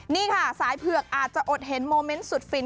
นี่ค่ะสายเผือกอาจจะอดเห็นโมเมนต์สุดฟิน